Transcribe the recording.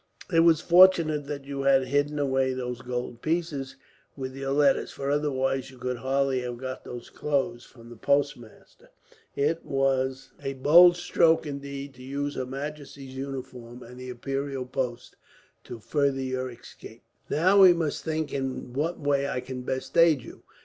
It was fortunate that you had hidden away those gold pieces, with your letters; for otherwise you could hardly have got those clothes from the postmaster. It was a bold stroke, indeed, to use her majesty's uniform and the imperial post to further your escape. "Now we must think in what way I can best aid you.